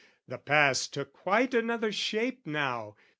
The past Took quite another shape now.